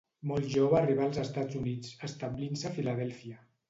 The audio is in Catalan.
Molt jove arribà als Estats Units, establint-se a Filadèlfia.